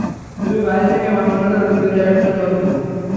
তুমি বাইরে থেকে মানুষ হলেও ভিতরে এখনও একটা জন্তু।